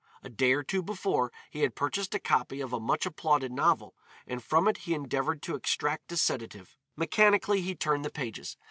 A day or two before he had purchased a copy of a much applauded novel, and from it he endeavored to extract a sedative. Mechanically he turned the pages.